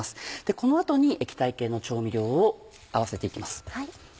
この後に液体系の調味料を合わせて行きます。